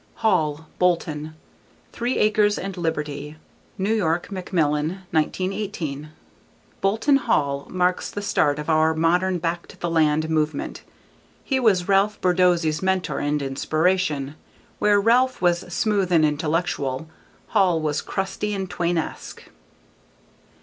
Hall, Bolton. _Three Acres and Liberty. _New York: Macmillan, 1918. Bolton Hall marks the start of our modern back to the land movement. He was Ralph Borsodi's mentor and inspiration. Where Ralph was smooth and intellectual, Hall was crusty and Twainesque.